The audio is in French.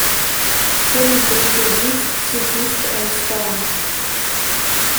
Seule une petite église subsiste à Ispahan.